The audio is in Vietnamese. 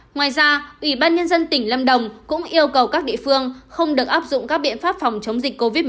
ngoài ra ủy ban nhân dân tỉnh lâm đồng cũng yêu cầu các địa phương không được áp dụng các biện pháp phòng chống dịch covid một mươi chín